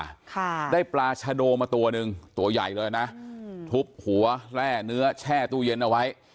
ค่ะได้ปลาชะโดมาตัวหนึ่งตัวใหญ่เลยนะอืมทุบหัวแร่เนื้อแช่ตู้เย็นเอาไว้